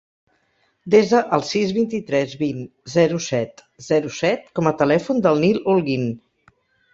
Desa el sis, vint-i-tres, vint, zero, set, zero, set com a telèfon del Nil Holguin.